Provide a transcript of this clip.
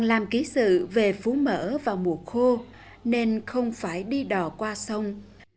đoàn làm ký sự về phú mỡ vào mùa khô nên không phải đi đò qua sông